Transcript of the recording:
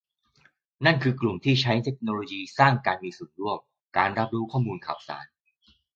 นั่นคือกลุ่มที่ใช้เทคโนโลยีสร้างการมีส่วนร่วม การรับรู้ข้อมูลข่าวสาร